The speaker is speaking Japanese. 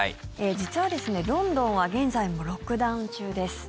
実はロンドンは現在もロックダウン中です。